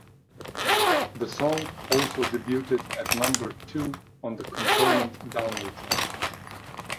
The song also debuted at number two on the component Download Chart.